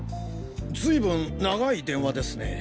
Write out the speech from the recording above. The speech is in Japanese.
ずいぶん長い電話ですね。